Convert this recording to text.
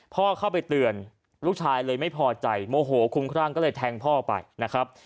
เข้าไปเตือนลูกชายเลยไม่พอใจโมโหคุ้มครั่งก็เลยแทงพ่อไปนะครับ